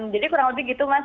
jadi kurang lebih gitu mas